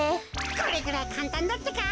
これぐらいかんたんだってか。